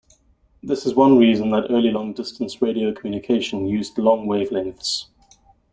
This is one reason that early long distance radio communication used long wavelengths.